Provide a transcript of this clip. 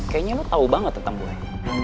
kayaknya lo tau banget tentang boy